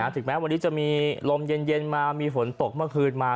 ถึงแม้วันนี้จะมีลมเย็นมามีฝนตกเมื่อคืนมา